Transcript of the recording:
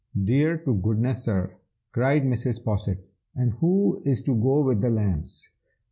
"Dear to goodness, sir!" cried Mrs. Posset. "And who is to go with the lambs?